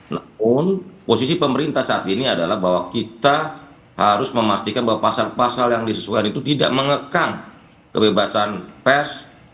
namun posisi pemerintah saat ini adalah bahwa kita harus memastikan bahwa pasal pasal yang disesuaikan itu tidak mengekang kebebasan pers